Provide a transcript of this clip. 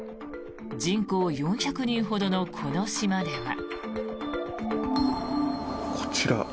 人口４００人ほどのこの島では。